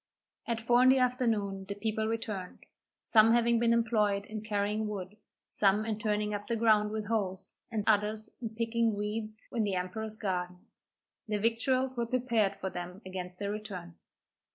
At four in the afternoon the people returned, some having been employed in carrying wood, some in turning up the ground with hoes, and others in picking weeds in the emperor's garden. Their victuals were prepared for them against their return.